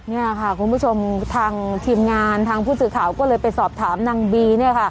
นี่ค่ะคุณผู้ชมทางทีมงานทางผู้สื่อข่าวก็เลยไปสอบถามนางบี